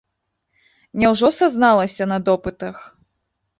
Няўжо сазналася на допытах?